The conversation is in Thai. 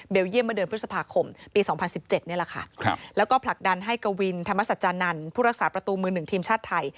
เยี่ยมเมื่อเดือนพฤษภาคมปี๒๐๑๗นี่แหละค่ะแล้วก็ผลักดันให้กวินธรรมสัจจานันทร์ผู้รักษาประตูมือหนึ่งทีมชาติไทย